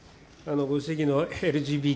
ご指摘のＬＧＢＴ